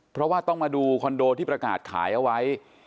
เพราะว่าต้องมาดูคอนโดที่ประกาศขายเอาไว้